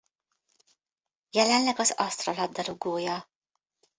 Jelenleg az Astra labdarúgója.